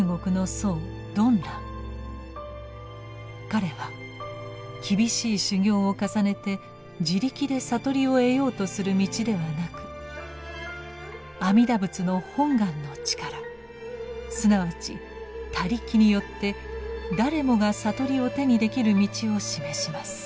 彼は厳しい修行を重ねて自力で悟りを得ようとする道ではなく阿弥陀仏の本願の力すなわち「他力」によって誰もが悟りを手にできる道を示します。